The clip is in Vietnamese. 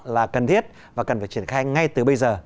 là cần thiết và cần phải triển khai ngay từ bây giờ